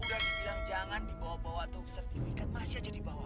udah dibilang jangan dibawa bawa tuh sertifikat masih aja dibawa